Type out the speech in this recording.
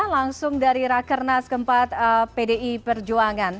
langsung dari rakernas keempat pdi perjuangan